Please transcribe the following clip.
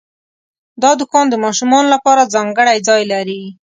دا دوکان د ماشومانو لپاره ځانګړی ځای لري.